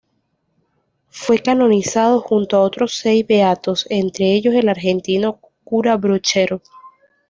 Fue canonizado junto a otros seis beatos, entre ellos el argentino cura Brochero.